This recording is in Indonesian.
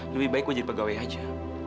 lebih baik gue jadi pegawai aja